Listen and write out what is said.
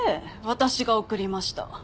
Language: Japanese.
私が送りました。